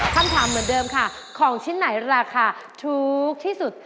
คำถามเหมือนเดิมค่ะของชิ้นไหนราคาถูกที่สุด